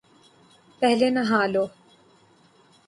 پہلے نہا لو ـ